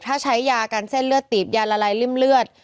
ถ้าใช้ยากันเส้นเลือดตีบยาละลายริ่มเลือด